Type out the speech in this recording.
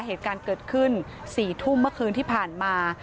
เหตุการณ์เกิดขึ้น๔ทุ่มเมื่อคืนที่ผ่านมา